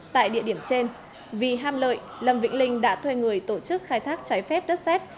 tại địa điểm trên vì ham lợi lâm vĩnh linh đã thuê người tổ chức khai thác trái phép đất xét